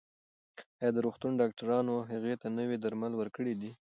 ایا د روغتون ډاکټرانو هغې ته نوي درمل ورکړي دي؟